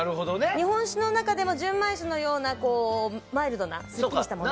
日本酒の中でも純米酒のようなマイルドなすっきりしたものが。